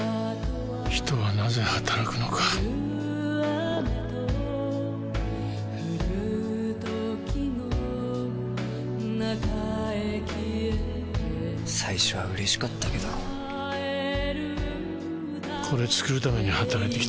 人はなぜ働くのかゴクッ最初は嬉しかったけどこれ作るために働いてきたんだよな